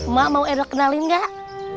mak mau edo kenalin gak